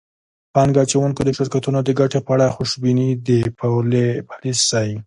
پانګه اچوونکو د شرکتونو د ګټې په اړه خوشبیني د پولي پالیسۍ